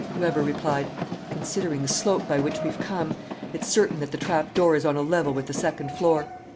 Weber replied: "Considering the slope by which we've come, it's certain that the trapdoor is on a level with the second floor.